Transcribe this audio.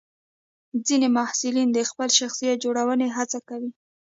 ځینې محصلین د خپل شخصیت جوړونې هڅه کوي.